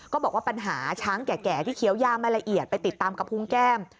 บอกว่าปัญหาช้างแก่ที่เคี้ยวย่าไม่ละเอียดไปติดตามกระพุงแก้ม